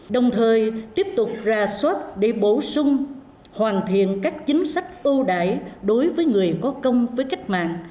đồng thời tiếp tục ra soát để bổ sung hoàn thiện các chính sách ưu đại đối với người có công với cách mạng